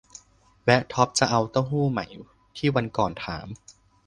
แวะท็อปส์ จะเอาเต้าหู้ไหม ที่วันก่อนถาม